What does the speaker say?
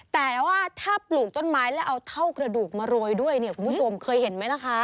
แต่ว่าถ้าปลูกต้นไม้แล้วเอาเท่ากระดูกมาโรยด้วยเนี่ยคุณผู้ชมเคยเห็นไหมล่ะคะ